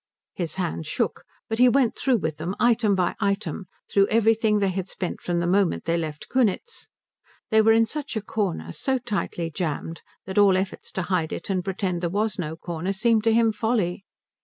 His hands shook, but he went through with it item by item, through everything they had spent from the moment they left Kunitz. They were in such a corner, so tightly jammed, that all efforts to hide it and pretend there was no corner seemed to him folly.